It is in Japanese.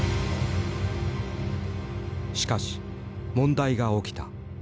しかし問題が起きた。